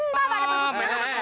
bapak ada berputar